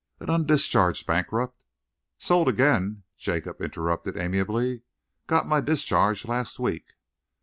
"An undischarged bankrupt " "Sold again," Jacob interrupted amiably. "Got my discharge last week."